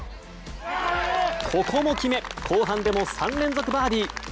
ここも決め、後半でも３連続バーディー。